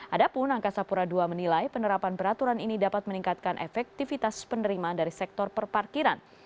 ada pun angka sapura ii menilai penerapan peraturan ini dapat meningkatkan efektivitas penerima dari sektor perparkiran